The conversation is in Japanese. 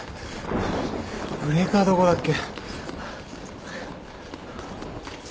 ブレーカーどこだっけ？